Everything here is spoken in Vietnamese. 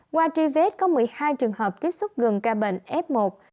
qua truy vết có một mươi hai trường hợp tiếp xúc gần ca bệnh f một